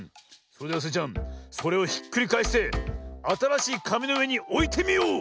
それではスイちゃんそれをひっくりかえしてあたらしいかみのうえにおいてみよう！